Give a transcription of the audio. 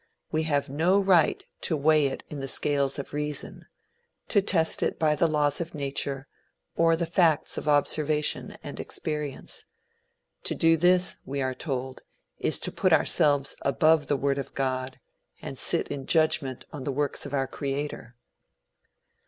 We have no right to weigh it in the scales of reason to test it by the laws of nature, or the facts of observation and experience. To do this, we are told, is to put ourselves above the word of God, and sit in judgment on the works of our creator.